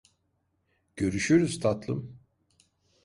Görüşürüz tatlım.